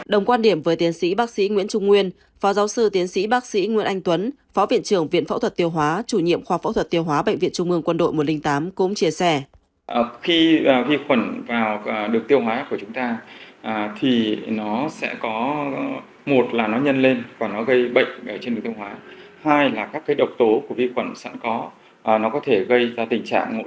đồng quan điểm với tiến sĩ bác sĩ nguyễn trung nguyễn anh tuấn phó viện trưởng viện phẫu thuật tiêu hóa chủ nhiệm khoa phẫu thuật tiêu hóa chủ nhiệm khoa phẫu thuật tiêu hóa chủ nhiệm khoa phẫu thuật tiêu hóa chủ nhiệm khoa phẫu thuật tiêu hóa